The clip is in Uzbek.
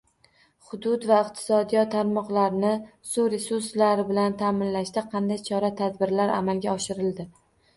Hududlar va iqtisodiyot tarmoqlarini suv resurslari bilan ta’minlashda qanday chora-tadbirlar amalga oshirildi?